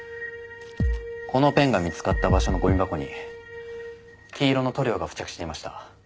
このペンが見つかった場所のゴミ箱に黄色の塗料が付着していました。